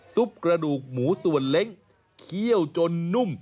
กระดูกหมูส่วนเล้งเคี่ยวจนนุ่ม